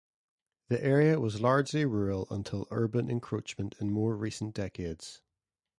The area was largely rural until urban encroachment in more recent decades.